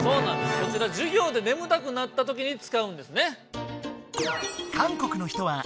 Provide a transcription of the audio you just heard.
こちら授業でねむたくなったときに使うんですね。